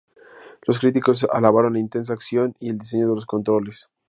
Los críticos alabaron la intensa acción y el diseño de los controles.